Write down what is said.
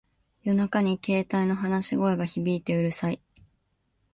夜中に携帯の話し声が響いてうるさい